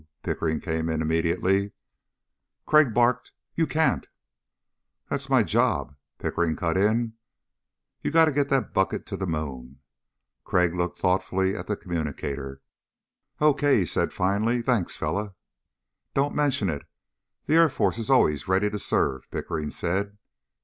Pickering came in immediately. Crag barked, "You can't " "That's my job," Pickering cut in. "You gotta get that bucket to the moon." Crag looked thoughtfully at the communicator. "Okay," he said finally. "Thanks, fellow." "Don't mention it. The Air Force is always ready to serve," Pickering said.